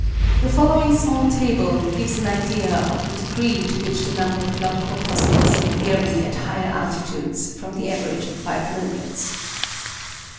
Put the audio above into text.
The following small table gives an idea of the degree to which the number of blood corpuscles may vary at higher altitudes from the average of five millions.